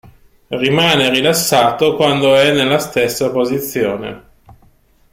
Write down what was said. Rimane rilassato quando è nella stessa posizione.